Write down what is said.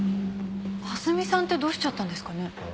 蓮見さんってどうしちゃったんですかね？